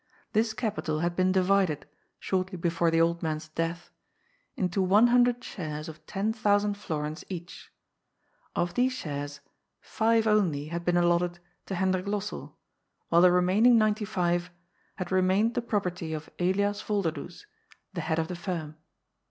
This capital had been divided, shortly before the old man's death, into one hundred shares of ten thou sand florins each. Of these shares five only had been allotted to Hendrik Lossell, while the remaining ninety five had re mained the property of Elias Volderdoes, the head of the firm.